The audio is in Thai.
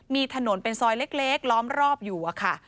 มีถนนเป็นซอยเล็กล้อมรอบอยู่อะค่ะ